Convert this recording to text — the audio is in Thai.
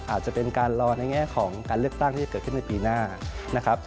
อาจจะเป็นการรอในแง่ของการเลือกตั้งที่จะเกิดขึ้นในปีหน้านะครับ